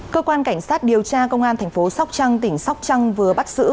cơ quan cảnh sát điều tra công an thành phố sóc trăng tỉnh sóc trăng vừa bắt giữ